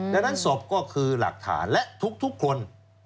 ดังนั้นศพก็คือหลักฐานและทุกคน